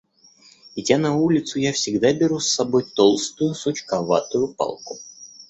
Идя на улицу, я всегда беру с собой толстую, сучковатую палку.